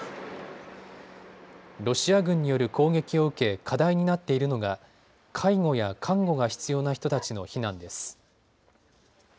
ロシア軍による攻撃を受け課題になっているのが介護や看護が必要な人たちの避難です。